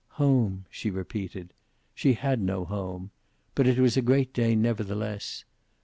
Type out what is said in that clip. "Home!" she repeated. She had no home. But it was a great day, nevertheless.